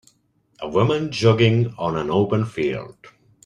a woman jogging on an open field